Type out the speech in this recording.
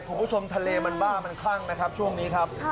คุณผู้ชมทะเลมันบ้ามันคลั่งนะครับช่วงนี้ครับ